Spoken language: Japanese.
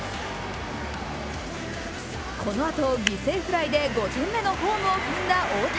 このあと、犠牲フライで５点目のホームを踏んだ大谷。